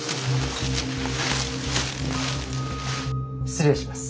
失礼します。